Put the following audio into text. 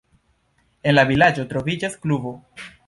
En la vilaĝo troviĝas klubo.